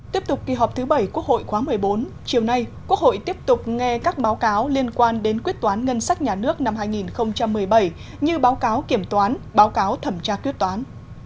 tiếp tục kỳ họp thứ bảy quốc hội khóa một mươi bốn chiều nay quốc hội tiếp tục nghe các báo cáo liên quan đến quyết toán ngân sách nhà nước năm hai nghìn một mươi bảy như báo cáo kiểm toán báo cáo thẩm tra quyết toán